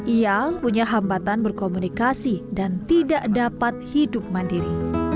ia punya hambatan berkomunikasi dan tidak dapat hidup mandiri